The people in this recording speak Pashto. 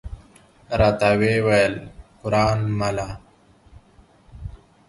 راته وې ویل: قران مله!